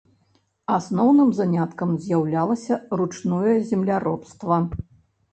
Асноўным заняткам з'яўлялася ручное земляробства.